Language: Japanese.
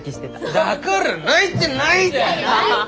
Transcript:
だから泣いてないって！